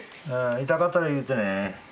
痛かったら言うてね。